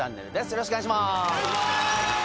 よろしくお願いします。